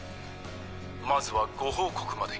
まずはご報告まで。